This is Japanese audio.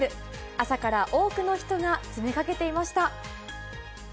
朝から多くの人が詰めかけていました。